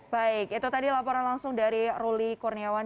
baik itu tadi laporan langsung dari ruli kurniawan